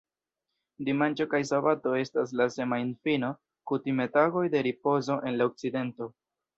Dimanĉo kaj sabato estas la "semajnfino", kutime tagoj de ripozo en la Okcidento.